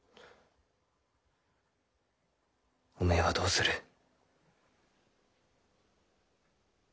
おめえはどうする？